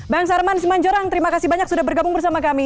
bang sarman simanjorang terima kasih banyak sudah bergabung bersama kami